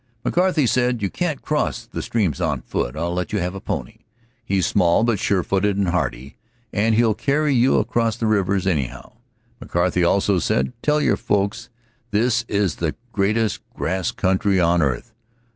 McCarty said: "You can't cross the streams on foot; I'll let you have a pony. He's small, but sure footed and hardy, and he'll carry you across the rivers anyhow." McCarty also said: "Tell your folks this is the greatest grass country on earth.